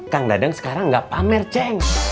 kang dadang sekarang nggak pamer ceng